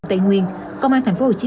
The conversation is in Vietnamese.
trung đoàn cảnh sát cơ động tây nguyên